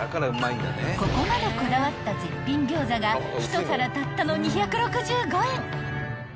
［ここまでこだわった絶品餃子が１皿たったの２６５円］